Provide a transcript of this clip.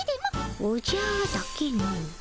「おじゃ」だけの。